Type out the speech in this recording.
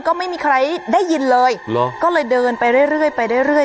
ก็ไม่มีใครได้ยินเลยเหรอก็เลยเดินไปเรื่อยเรื่อยไปเรื่อยเรื่อย